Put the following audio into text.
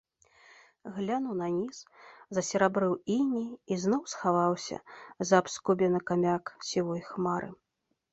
Глянуў на ніз, засерабрыў іней і зноў схаваўся за абскубены камяк сівой хмары.